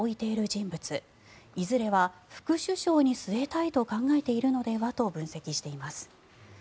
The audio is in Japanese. いずれは副首相に据えたいと考えているのではと分析しています。